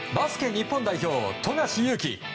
日本代表富樫勇樹。